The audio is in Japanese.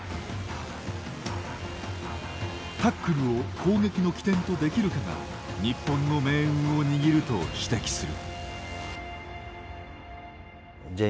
タックルを攻撃の起点とできるかが日本の命運を握ると指摘する。